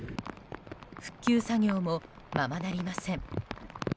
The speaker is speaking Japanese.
復旧作業もままなりません。